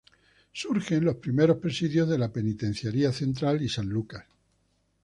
Surgen los primeros presidios de la Penitenciaría Central y San Lucas.